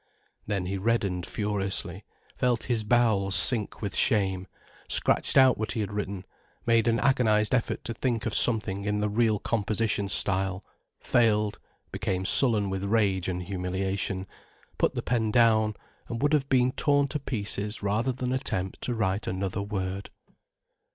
Then he reddened furiously, felt his bowels sink with shame, scratched out what he had written, made an agonized effort to think of something in the real composition style, failed, became sullen with rage and humiliation, put the pen down and would have been torn to pieces rather than attempt to write another word.